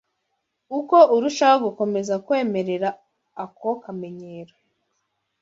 Uko urushaho gukomeza kwemerera ako kamenyero